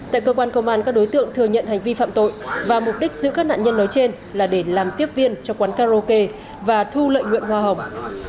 tại cơ quan công an các đối tượng thừa nhận hành vi phạm tội và mục đích giữ các nạn nhân nói trên là để làm tiếp viên cho quán karaoke và thu lợi nguyện hoa hồng